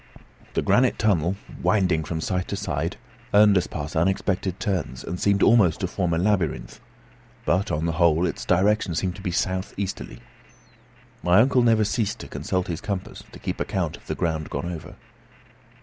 The granite tunnel winding from side to side, earned us past unexpected turns, and seemed almost to form a labyrinth; but, on the whole, its direction seemed to be south easterly. My uncle never ceased to consult his compass, to keep account of the ground gone over.